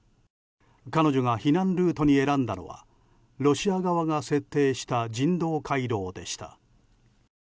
彼女が避難ルートに選んだのはロシア側が設定した人道回廊でした。